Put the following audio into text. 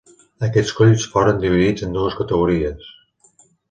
Aquests colls foren dividits en dues categories.